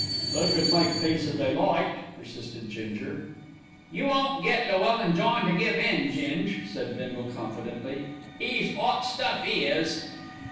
"They could make peace if they liked," persisted Ginger. "You won't get Llewellyn John to give in, Ging," said Bindle confidently. "'E's 'ot stuff, 'e is."